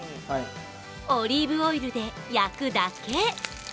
オリーブオイルで焼くだけ。